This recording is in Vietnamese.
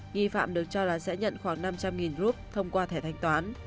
nghi phạm được cho là sẽ nhận khoảng năm trăm linh group thông qua thẻ thanh toán